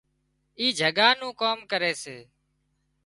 اي جڳا نُون ڪام ڪري سي